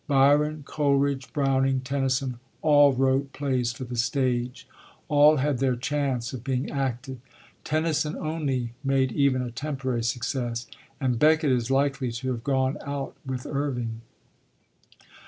Byron, Coleridge, Browning, Tennyson, all wrote plays for the stage; all had their chance of being acted; Tennyson only made even a temporary success, and Becket is likely to have gone out with Irving.